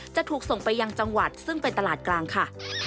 จะถูกส่งไปยังจังหวัดซึ่งเป็นตลาดกลางค่ะ